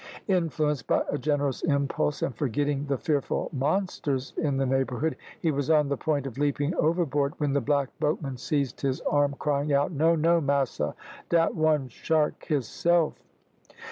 Influenced by a generous impulse, and forgetting the fearful monsters in the neighbourhood, he was on the point of leaping overboard, when the black boatman seized his arm, crying out "No, no, massa, dat one shark, hisself."